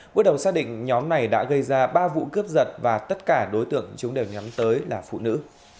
bước đầu xác định nhóm này đã gây ra ba vụ cướp giật và tất cả đối tượng chúng đều nhắm tới là phụ nữ